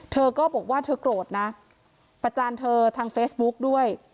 เธอก็บอกว่าเธอโกรธนะประจานเธอทางเฟซบุ๊กด้วย